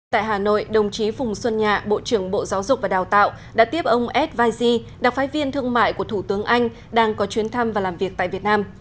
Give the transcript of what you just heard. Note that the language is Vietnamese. tại hà nội đồng chí phùng xuân nhạ bộ trưởng bộ giáo dục và đào tạo đã tiếp ông ed vizi đặc phái viên thương mại của thủ tướng anh đang có chuyến thăm và làm việc tại việt nam